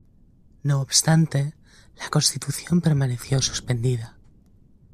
No obstante, la Constitución permaneció suspendida.